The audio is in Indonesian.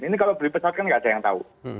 ini kalau beli pesawat kan nggak ada yang tahu